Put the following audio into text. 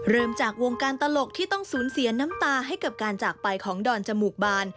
เริ่มจากวงการตลกที่ต้องสูญเสียน้ำตาให้กับการจากไปของดอนจมูกบาน